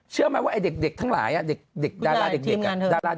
เชื่อมั้ยว่าเด็กทั้งหลาย